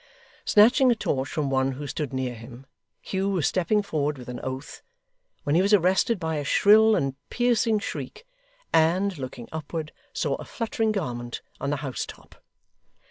Snatching a torch from one who stood near him, Hugh was stepping forward with an oath, when he was arrested by a shrill and piercing shriek, and, looking upward, saw a fluttering garment on the house top.